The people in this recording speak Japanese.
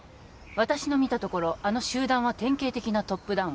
私の見たところあの集団は典型的なトップダウン